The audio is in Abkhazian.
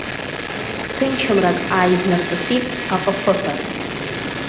Гәҭынчымрак ааизнарҵысит аҟыԥыҳәа.